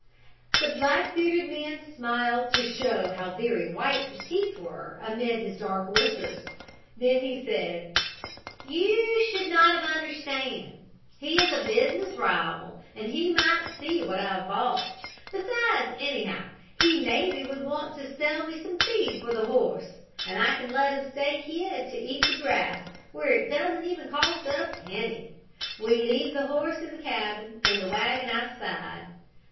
The black bearded man smiled to show how very white his teeth were amid his dark whiskers. Then he said: "You should not of understand. He is a business rival and he might see what I have bought. Besides, anyhow, he maybe would want to sell me some feed for the horse, and I can let him stay here to eat the grass where it doesn't cost even a penny! We leave the horse in the cabin, and the wagon outside.